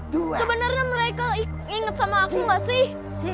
sebenarnya mereka inget sama aku gak sih